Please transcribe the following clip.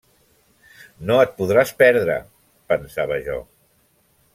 -No et podràs perdre- pensava jo.